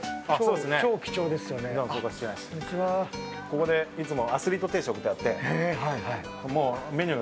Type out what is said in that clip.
ここでいつも「アスリート定食」ってあって。